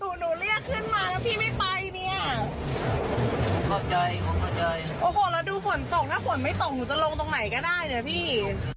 โอ้โหแล้วดูฝนตกถ้าฝนไม่ตกหนูจะลงตรงไหนก็ได้นะพี่